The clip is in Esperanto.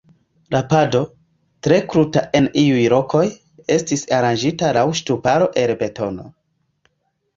La pado, tre kruta en iuj lokoj, estis aranĝita laŭ ŝtuparo el betono.